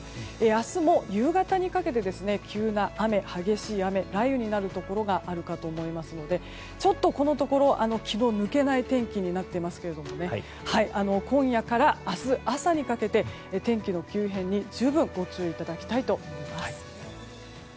明日も夕方にかけて急な雨、激しい雨雷雨になるところがあるかと思いますのでちょっとこのところ気の抜けない天気になっていますが今夜から明日朝にかけて天気の急変に十分ご注意いただきたいと思います。